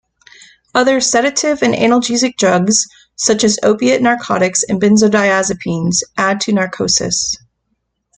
Other sedative and analgesic drugs, such as opiate narcotics and benzodiazepines, add to narcosis.